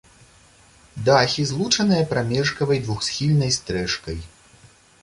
Дахі злучаныя прамежкавай двухсхільнай стрэшкай.